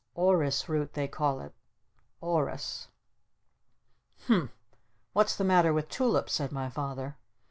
Orris root they call it. Orris " "Humph! What's the matter with Tulips?" said my Father.